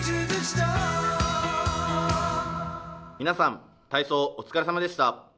皆さん体操お疲れさまでした。